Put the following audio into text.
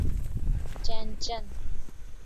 چیچن